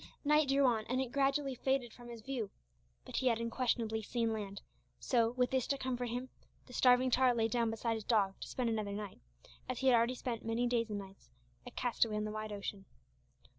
Night drew on, and it gradually faded from his view. But he had unquestionably seen land; so, with this to comfort him, the starving tar lay down beside his dog to spend another night as he had already spent many days and nights a castaway on the wide ocean.